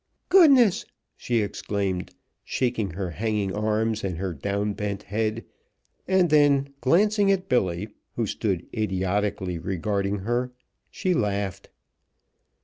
"Goodness!" she exclaimed, shaking her hanging arms and her down bent head, and then glancing at Billy, who stood idiotically regarding her, she laughed.